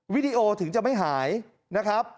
วิดีโอถึงจะไม่หายนะครับ